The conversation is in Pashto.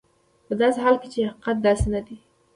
په داسې حال کې چې حقیقت داسې نه دی.